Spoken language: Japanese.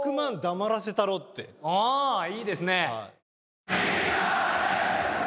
あいいですね。